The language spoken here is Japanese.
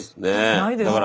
ないですか？